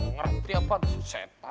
ngerti apaan susahnya